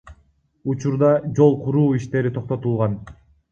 Учурда жол куруу иштери токтотулган.